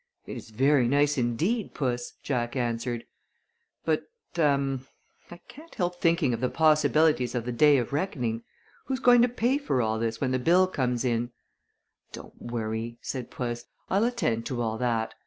"It is very nice indeed, Puss," Jack answered, "but er I can't help thinking of the possibilities of the day of reckoning. Who's going to pay for all this when the bill comes in?" "Don' t worry," said puss; "I'll attend to all that.